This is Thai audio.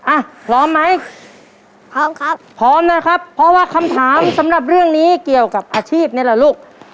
อ่ะพร้อมไหมพร้อมครับพร้อมนะครับเพราะว่าคำถามสำหรับเรื่องนี้เกี่ยวกับอาชีพนี่แหละลูก